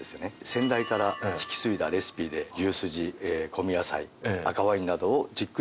先代から引き継いだレシピで牛すじ香味野菜赤ワインなどをじっくりと煮込んで３週間。